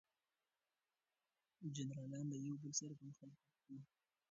جنرالان له یو بل سره په مخالفت کې وو.